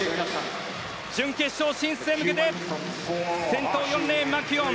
準決勝進出へ向けて先頭は４レーンのマキュオン。